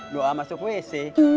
doa masuk wc